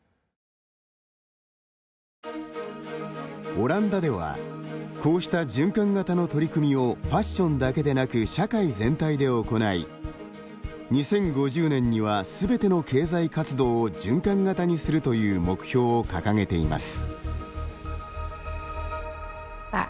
オランダではこうした循環型の取り組みをファッションだけでなく社会全体で行い２０５０年にはすべての経済活動を循環型にするという目標を掲げています。